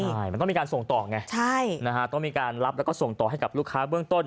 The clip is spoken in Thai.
ใช่มันต้องมีการส่งต่อไงใช่นะฮะต้องมีการรับแล้วก็ส่งต่อให้กับลูกค้าเบื้องต้น